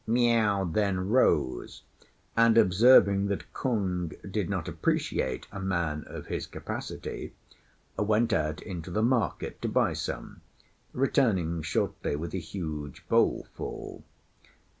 Miao then rose, and observing that Kung did not appreciate a man of his capacity, went out into the market to buy some, returning shortly with a huge bowl full.